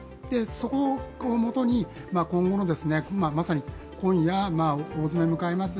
そこをもとに今後の今まさに今夜大詰めを迎えます